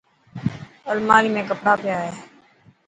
الماري ۾ ڪپڙا پيا هي.